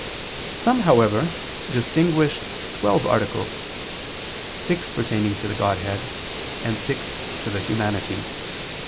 Some, however, distinguish twelve articles, six pertaining to the Godhead, and six to the humanity.